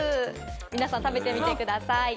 皆さん、食べてみてください。